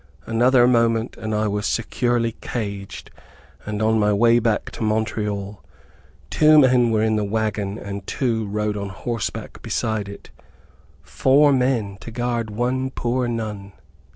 Another moment and I was securely caged, and on my way back to Montreal. Two men were in the wagon and two rode on horseback beside it. Four men to guard one poor nun!